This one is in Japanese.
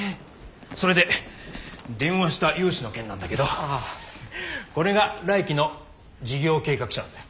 それで電話した融資の件なんだけどこれが来期の事業計画書なんだ。